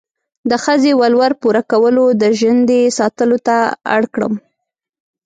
د ښځې ولور پوره کولو، د ژندې ساتلو ته اړ کړم.